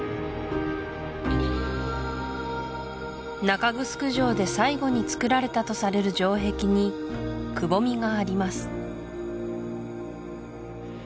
中城城で最後に造られたとされる城壁にくぼみがあります